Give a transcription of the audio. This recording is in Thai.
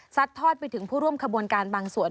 ทอดไปถึงผู้ร่วมขบวนการบางส่วน